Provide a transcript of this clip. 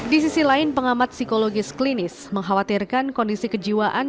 di sisi lain pengamat psikologis klinis mengkhawatirkan kondisi kejiwaan